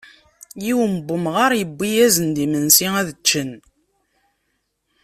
Yiwen n umγar yewwi-asen-d imensi ad ččen.